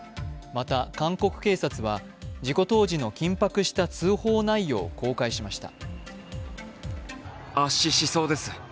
また、韓国警察は事故当時の緊迫した通報内容を公開しました。